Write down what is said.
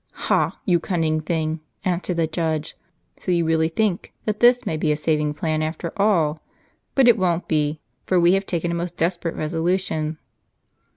"Ha! you cunning thing !" answered the judge ; "so you really think that this may be a saving plan after all ? But it won't be, for we have taken a most desperate resolution."